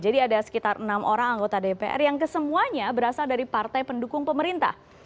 jadi ada sekitar enam orang anggota dpr yang kesemuanya berasal dari partai pendukung pemerintah